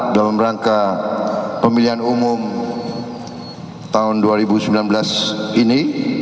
dalam rangka pemilihan umum tahun dua ribu sembilan belas ini